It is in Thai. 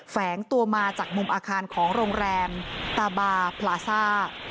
แฝงตัวมาจากมุมอาคารของโรงแรมตาบาพลาซ่า